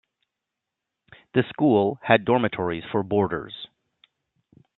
The school had dormitories for boarders.